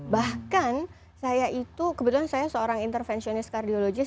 bahkan saya itu kebetulan saya seorang interventionist cardiologis